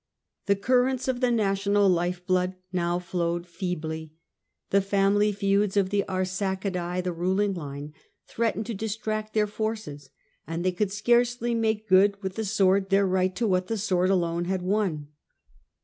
The currents of the national lifeblood now flowed feebly ; the family feuds of the Arsacidse, the ruling line, threatened to distract their forces, and they could scarcely make good with the sword their right to what the sword alone had won.